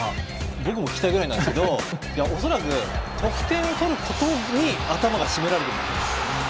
僕も聞きたいくらいなんですけど恐らく、得点を取ることに頭が占められていると思います。